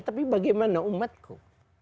tapi bagaimana umatku